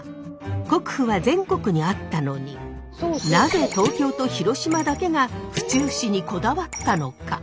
国府は全国にあったのになぜ東京と広島だけが府中市にこだわったのか？